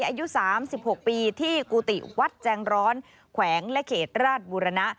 อายุ๓๖ปีที่กุฏิวัดแจงร้อนแขวงและเขตราชบุรณะ